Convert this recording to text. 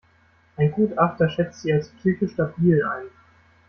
Ein Gutachter schätzt sie als psychisch labil ein.